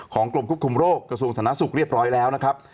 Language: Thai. ของกรมคุมคุมโรคกระทรวงศาลนักศึกเรียบร้อยแล้วนะครับ